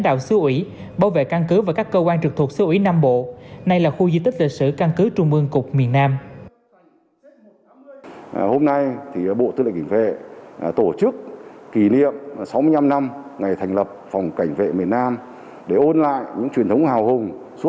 đạo xứ ủy bảo vệ căn cứ và các cơ quan trực thuộc xứ ủy nam bộ này là khu di tích lịch sử